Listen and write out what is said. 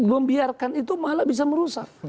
membiarkan itu malah bisa merusak